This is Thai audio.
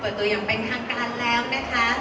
ตัวอย่างเป็นทางการแล้วนะคะ